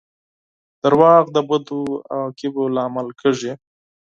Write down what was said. • دروغ د بدو عواقبو لامل کیږي.